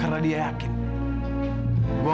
seramah installation baru